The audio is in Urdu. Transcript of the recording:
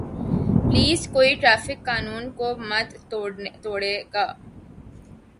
پلیز کوئی ٹریفک قانون کو مت توڑئے گا